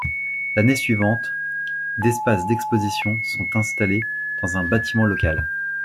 L'année suivante, d'espace d'exposition sont installés dans un bâtiment local.